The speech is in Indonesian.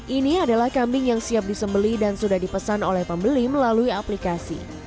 ini adalah kambing yang siap disembeli dan sudah dipesan oleh pembeli melalui aplikasi